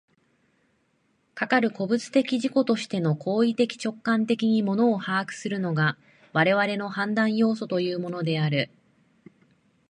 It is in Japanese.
かかる個物的自己として行為的直観的に物を把握するのが、我々の判断作用というものである。